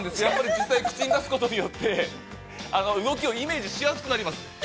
やっぱり、実際、口に出すことによって、動きをイメージしやすくなります。